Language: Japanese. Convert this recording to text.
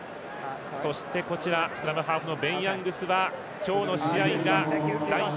そしてスクラムハーフのベン・ヤングスは今日の試合が代表